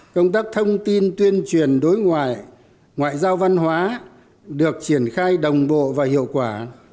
công tác thông tin tuyên truyền đối ngoại ngoại giao văn hóa được triển khai đồng bộ và hiệu quả